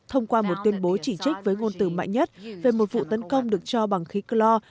thông qua một tuyên bố chỉ trích với ngôn từ mạnh nhất về một vụ tấn công được cho bằng khí clor